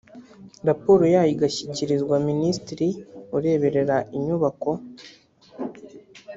raporo yayo igashyikirizwa minisitiri ureberera inyubako